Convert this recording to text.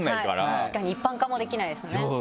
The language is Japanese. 確かに一般化もできないですね。